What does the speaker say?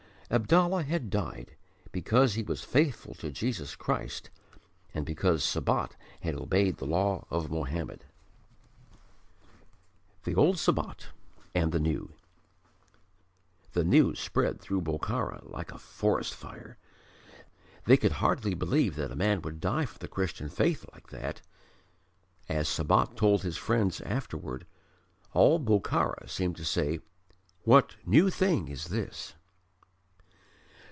Abdallah had died because he was faithful to Jesus Christ and because Sabat had obeyed the law of Mohammed. The Old Sabat and the New The news spread through Bokhara like a forest fire. They could hardly believe that a man would die for the Christian faith like that. As Sabat told his friends afterward, "All Bokhara seemed to say, 'What new thing is this?'"